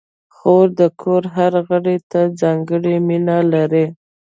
خور د کور هر غړي ته ځانګړې مینه لري.